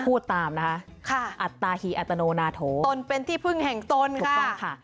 พูดตามนะคะอัตตาฮีอัตโนนาโถตนเป็นที่พึ่งแห่งตนถูกต้องค่ะ